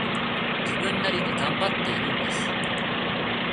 自分なりに頑張っているんです